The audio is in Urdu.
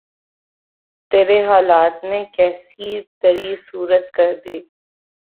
تیرے حالات نے کیسی تری صورت کر دی